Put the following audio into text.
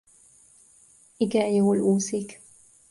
Igen jól úszik.